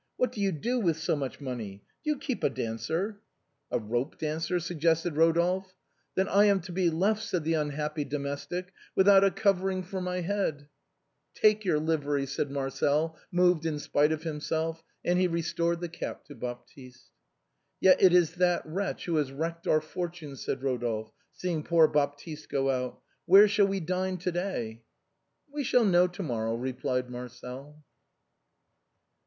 What do you do with so much money ? Do you keep a dancer ?"" A rope dancer ?" suggested Rodolphe. " Then am I to be left," said the unhappy domestic, " without a covering for my head !"" Take your livery," said Marcel, moved in spite of him sef : and he restored the cap to Baptiste. "Yet it is that wretch who has wrecked our fortunes," said Rodolphe, seeing poor Baptiste go out. " .Where shall we dine to day?" " We shall know to morrow," replied Marcel.